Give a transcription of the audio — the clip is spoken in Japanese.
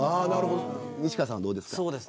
西川さん、どうですか。